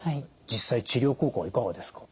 実際治療効果はいかがですか？